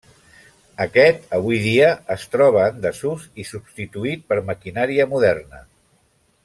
Aquest, avui dia, es troba en desús i substituït per maquinària moderna.